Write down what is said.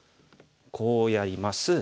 こうやります。